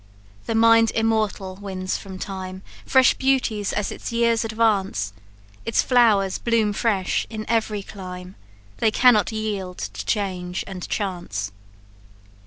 The mind immortal wins from time Fresh beauties as its years advance; Its flowers bloom fresh in every clime They cannot yield to change and chance.